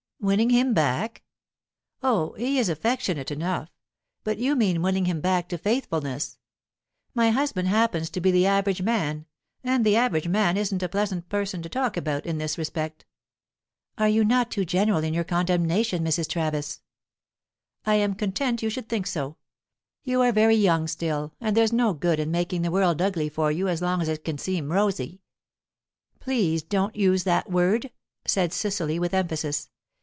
"Winning him back? Oh, he is affectionate enough. But you mean winning him back to faithfulness. My husband happens to be the average man, and the average man isn't a pleasant person to talk about, in this respect." "Are you not too general in your condemnation, Mrs. Travis?" "I am content you should think so. You are very young still, and there's no good in making the world ugly for you as long as it can seem rosy." "Please don't use that word," said Cecily, with emphasis.